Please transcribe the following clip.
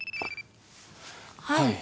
はい。